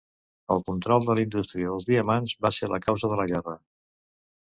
El control de la indústria dels diamants va ser la causa de la guerra.